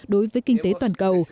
đối với kinh tế toàn cầu